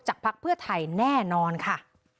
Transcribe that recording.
จากภาคเพื่อไทยแน่นอนค่ะ